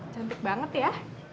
cantik banget ya